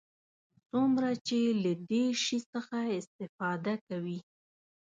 څومره چې له دې شي څخه استفاده کوي.